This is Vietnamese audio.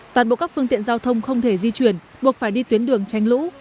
toàn bộ các phương tiện giao thông không thể di chuyển buộc phải đi tuyến đường tranh lũ